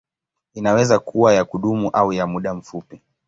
Inaweza kuwa ya kudumu au ya muda mfupi.